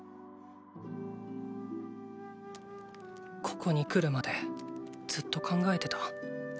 ここに来るまでズっと考えテた。